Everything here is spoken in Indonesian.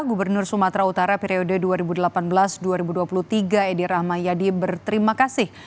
gubernur sumatera utara periode dua ribu delapan belas dua ribu dua puluh tiga edi rahmayadi berterima kasih